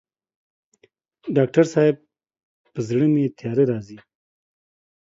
ډاکټر صاحب په زړه مي تیاره راځي